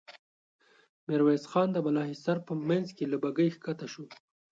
ميرويس خان د بالا حصار په مينځ کې له بګۍ کښته شو.